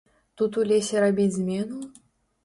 Тут у лесе рабіць змену?